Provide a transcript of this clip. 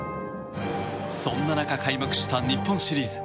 そんな中、開幕した日本シリーズ。